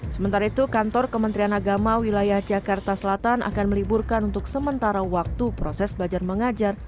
sementara itu kantor kementerian agama wilayah jakarta selatan akan meliburkan untuk sementara waktu proses belajar mengajar